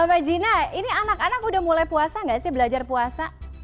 sama gina ini anak anak udah mulai puasa gak sih belajar puasa